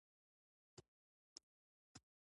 خو ځمکوالو خانانو ته ډېر لږ زیانونه واوښتل.